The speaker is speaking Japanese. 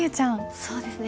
そうですね